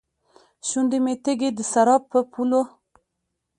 شونډې مې تږې ، دسراب په پولو